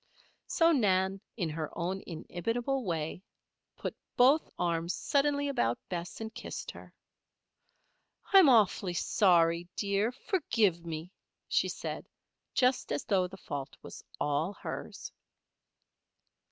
So Nan, in her own inimitable, loving way, put both arms suddenly about Bess and kissed her. "I'm awfully sorry, dear; forgive me," she said, just as though the fault was all hers.